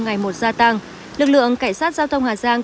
ngày một gia tăng lực lượng cảnh sát giao thông hà giang